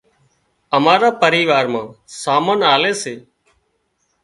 امارا پريوار مان سامان لاوي سي